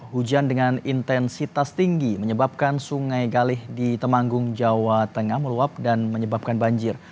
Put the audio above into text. hujan dengan intensitas tinggi menyebabkan sungai galih di temanggung jawa tengah meluap dan menyebabkan banjir